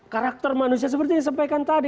karakter manusia seperti yang disampaikan tadi